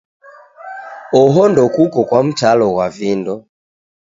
Oho ndokuko kwa mtalo ghwa vindo